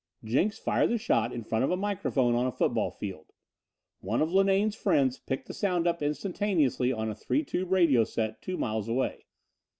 Jenks fired the shot in front of a microphone on a football field. One of Linane's friends picked the sound up instantaneously on a three tube radio set two miles away.